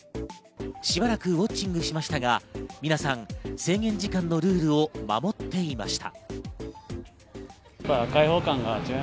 しばらくウオッチングしましたが皆さん制限時間のルールを守っていました。